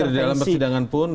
di dalam persidangan pun